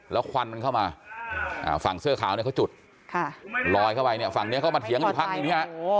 แล้วควันมันเข้ามาฝั่งเสื้อคาวเขาจุดบ้านเลยลอยเข้ามาที่นี่